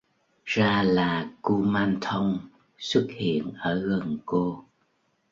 ra là kumanthong xuất hiện ở gần cô